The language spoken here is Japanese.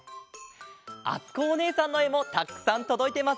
あつこおねえさんのえもたくさんとどいてますよ！